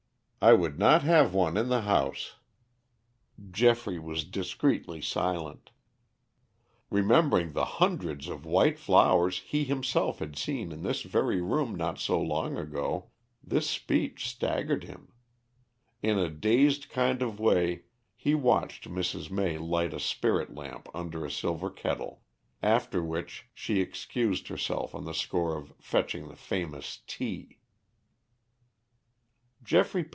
I would not have one in the house." Geoffrey was discreetly silent. Remembering the hundreds of white flowers he himself had seen in this very room not so long ago, this speech staggered him. In a dazed kind of way he watched Mrs. May light a spirit lamp under a silver kettle, after which she excused herself on the score of fetching the famous tea.